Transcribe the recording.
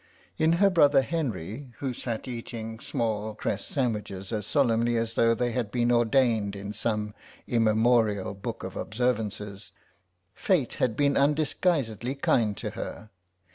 In her brother Henry, who sat eating small cress sandwiches as solemnly as though they had been ordained in some immemorial Book of Observances, fate had been undisguisedly kind to her.